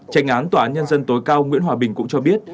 tranh án tòa án nhân dân tối cao nguyễn hòa bình cũng cho biết